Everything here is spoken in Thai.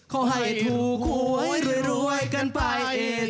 ขอให้ถูกหวยรวยกันไป